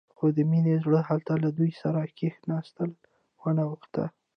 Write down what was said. خو د مينې زړه هلته له دوی سره کښېناستل ونه غوښتل.